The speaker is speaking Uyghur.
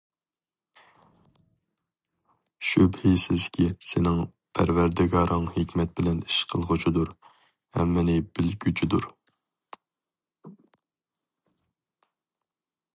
شۈبھىسىزكى، سېنىڭ پەرۋەردىگارىڭ ھېكمەت بىلەن ئىش قىلغۇچىدۇر، ھەممىنى بىلگۈچىدۇر.